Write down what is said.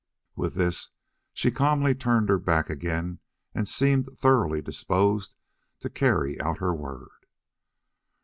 With this she calmly turned her back again and seemed thoroughly disposed to carry out her word.